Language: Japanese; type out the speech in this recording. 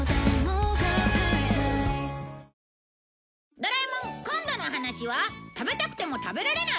『ドラえもん』今度のお話は食べたくても食べられない？